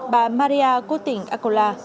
bà maria cô tỉnh acola